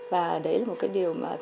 và đấy là một cái điều